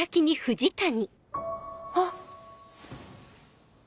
あっ！